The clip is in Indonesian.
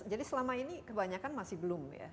jadi selama ini kebanyakan masih belum ya